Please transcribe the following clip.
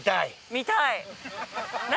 見たい何？